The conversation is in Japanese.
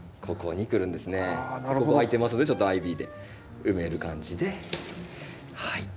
ここ空いていますんでちょっとアイビーで埋める感じで。